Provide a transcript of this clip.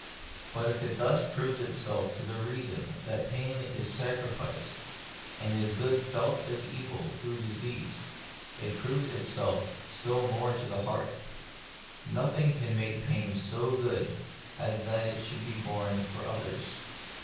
But if it thus proves itself to the reason that pain is sacrifice, and is good felt as evil through disease, it proves itself still more to the heart Nothing can make pain so good as that it should be borne for others.